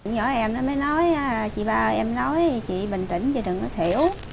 nhỏ em nó mới nói chị bà em nói chị bình tĩnh chị đừng có xỉu